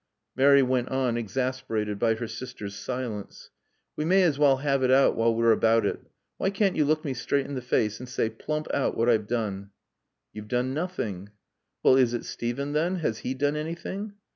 Mary went on, exasperated by her sister's silence. "We may as well have it out while we're about it. Why can't you look me straight in the face and say plump out what I've done?" "You've done nothing." "Well, is it Steven, then? Has he done anything?"